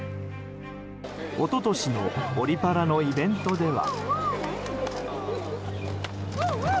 一昨年のオリパラのイベントでは。